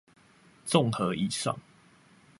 綜合以上